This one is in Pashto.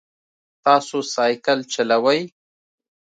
تاسو سایکل چلوئ؟